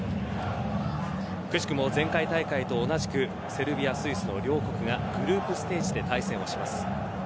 くしくも前回大会と同じくセルビア、スイスの両国がグループステージで対戦します。